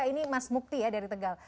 ini mas mukti ya dari tegal